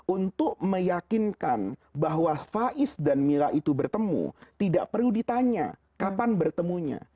untuk meyakinkan bahwa faiz dan mila itu bertemu tidak perlu ditanya kapan bertemunya